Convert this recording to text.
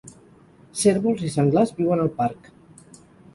Cérvols i senglars viuen al parc.